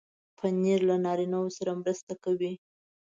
پنېر له نارینو سره مرسته کوي.